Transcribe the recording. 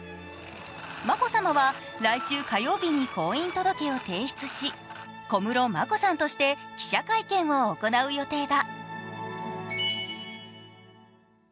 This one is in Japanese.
眞子さまは来週火曜日に婚姻届を提出し小室眞子さんとして記者会見を行う予定だ。